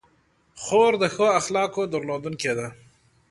خور د ښو اخلاقو درلودونکې ده.